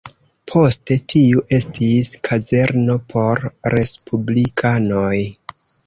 Poste tiu estis kazerno por respublikanoj.